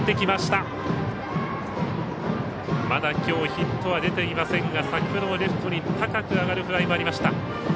まだきょうヒットは出ていませんが先ほどはレフトに高く上がった打撃もありました。